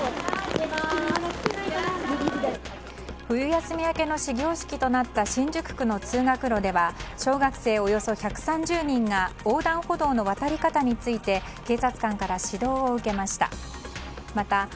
冬休み明けの始業式となった新宿区の通学路では小学生およそ１３０人が横断歩道の渡り方について警察官から指導を受けました。